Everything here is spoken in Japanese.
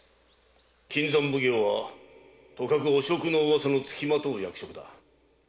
金山奉行はとかく汚職の噂のつきまとう役職だ〕